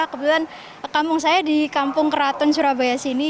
kebetulan kampung saya di kampung keraton surabaya sini